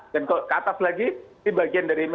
dan kalau ke atas lagi ini bagian dari